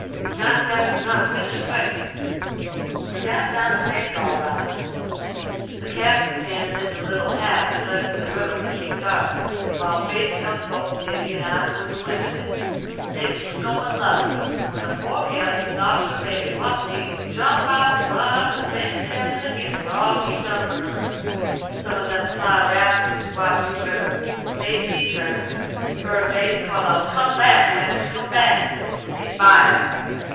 "Not fast enough. Finish quick." "We got down the bank all right, the Captain standing in the little path that led to the river to keep guard, while Bates held the boat stiddy and I put the women in. Things was goin' lovely when the poor gal who'd lost her baby must needs jump out and run up to thank the Captain agin for all he'd done for her. Some of them sly rascals was watchin' the river: they see her, heard Bates call out, 'Come back, wench; come back!' and they fired.